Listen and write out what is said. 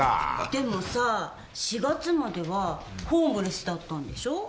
でもさぁ４月まではホームレスだったんでしょ。